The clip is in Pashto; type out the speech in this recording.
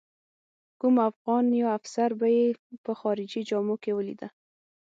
کوم افغان یا افسر به یې په خارجي جامو کې ولیده.